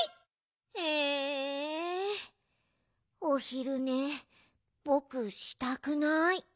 おひるねぼくしたくない。